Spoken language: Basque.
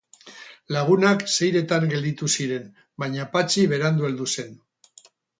Lagunak seiretan gelditu ziren, baina Patxi berandu heldu zen.